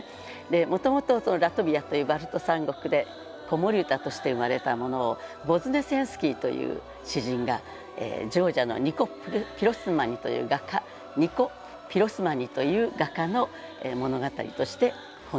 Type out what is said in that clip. でもともとラトビアというバルト三国で子守歌として生まれたものをボズネセンスキーという詩人がジョージアのニコ・ピロスマニという画家の物語として翻訳しました。